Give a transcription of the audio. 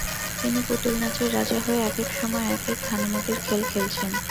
তিনি পুতুল নাচের রাজা হয়ে একেক সময় একেক ভানুমতির খেল খেলছেন।